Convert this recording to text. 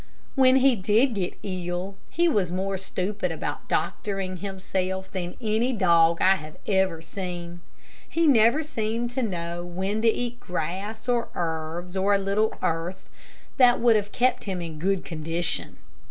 When he did get ill, he was more stupid about doctoring himself than any dog that I have ever seen. He never seemed to know when to eat grass or herbs, or a little earth, that would have kept him in good condition.